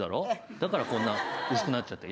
だからこんな薄くなっちゃって。